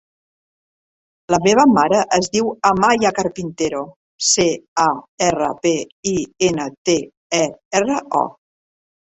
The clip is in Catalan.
La meva mare es diu Amaya Carpintero: ce, a, erra, pe, i, ena, te, e, erra, o.